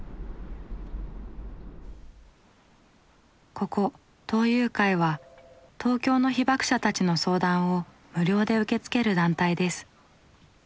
ここ「東友会」は東京の被爆者たちの相談を無料で受け付ける団体です。